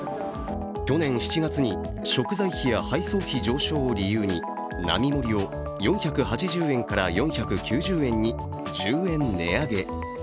去年７月に食材費や配送費上昇を理由に並盛を４８０円から４９０円に１０円値上げ。